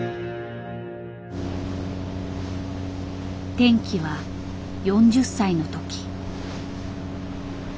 転機は４０歳の時。